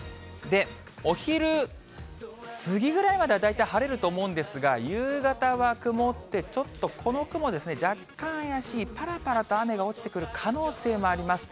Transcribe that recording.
お昼過ぎぐらいまでは大体晴れると思うんですが、夕方は曇って、ちょっとこの雲、若干怪しい、ぱらぱらと雨が落ちてくる可能性もあります。